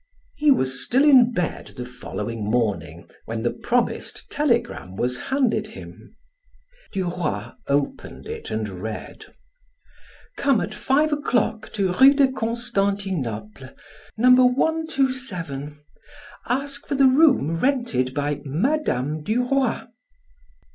He was still in bed the following morning when the promised telegram was handed him. Duroy opened it and read: "Come at five o'clock to Rue de Constantinople, No. 127. Ask for the room rented by Mme. Duroy.